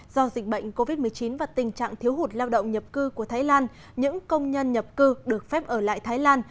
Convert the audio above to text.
do dịch bệnh covid một mươi chín và tình trạng thiếu hụt lao động nhập cư của thái lan những công nhân nhập cư được phép ở lại thái lan